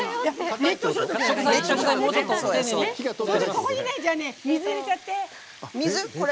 ここに水を入れちゃって。